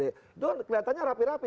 itu kan kelihatannya rapi rapi